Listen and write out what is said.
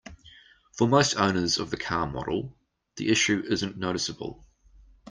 For most owners of the car model, the issue isn't noticeable.